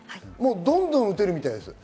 どんどん打てるみたいです。